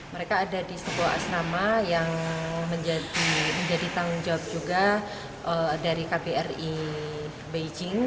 mereka ada di sebuah asrama yang menjadi tanggung jawab juga dari kbri beijing